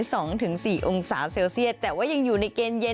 สองถึงสี่องศาเซลเซียตแต่ว่ายังอยู่ในเกณฑ์เย็น